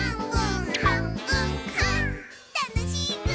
たのしいぐ！